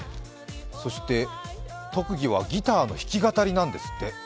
そして、特技はギターの弾き語りなんですって。